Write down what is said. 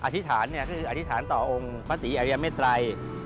อธิษฐานก็คืออธิษฐานต่อองค์พระศรีอริยเมตรัย